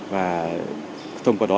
và thông qua đó